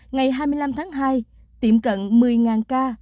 ngày hai mươi năm tháng hai tiệm cận một mươi ca